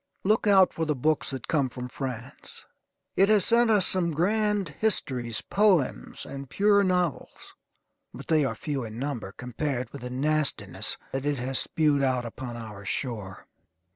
Look out for the books that come from France. It has sent us some grand histories, poems, and pure novels, but they are few in number compared with the nastiness that it has spewed out upon our shore.